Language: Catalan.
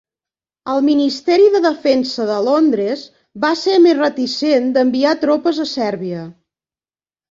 El Ministeri de Defensa de Londres va ser més reticent d'enviar tropes a Sèrbia.